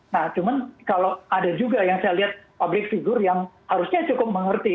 nah cuman kalau ada juga yang saya lihat public figure yang harusnya cukup mengerti